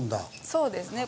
そうですね。